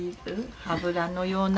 油のような。